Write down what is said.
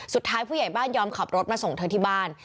ผู้ใหญ่บ้านยอมขับรถมาส่งเธอที่บ้าน